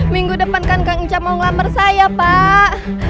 minggu depan kan kak nga mau ngelamar saya pak